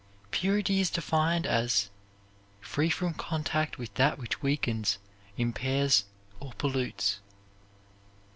Purity is defined as "free from contact with that which weakens, impairs or pollutes."